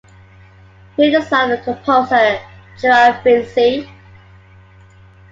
He is the son of composer Gerald Finzi.